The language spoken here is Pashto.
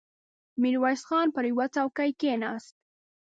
ميرويس خان پر يوه څوکۍ کېناست.